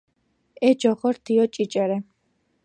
ე ჯოღორ დიო ჭიჭე რე